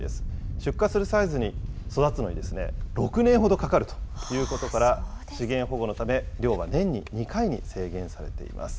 出荷するサイズに育つのに、６年ほどかかるということから、資源保護のため、漁は年に２回に制限されています。